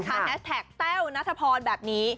แฮชแท็กแต้วนัทพรแบบนี้